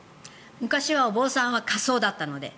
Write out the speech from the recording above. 昔はお坊さんは火葬だったので。